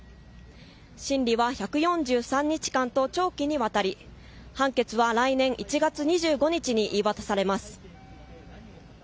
審理は１４３日間と長期にわたり判決は来年１月２５日に言い渡されます。